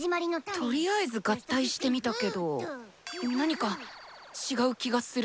とりあえず合体してみたけど何か違う気がする。